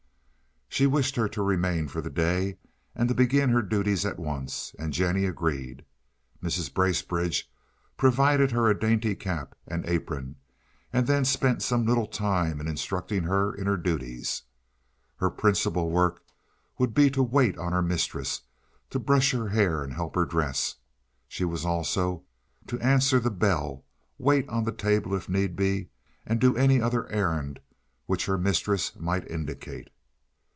She wished her to remain for the day and to begin her duties at once, and Jennie agreed. Mrs. Bracebridge provided her a dainty cap and apron, and then spent some little time in instructing her in her duties. Her principal work would be to wait on her mistress, to brush her hair and to help her dress. She was also to answer the bell, wait on the table if need be, and do any other errand which her mistress might indicate.